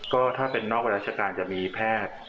ก็ถ้าเป็นนอกราชการจะมีแพทย์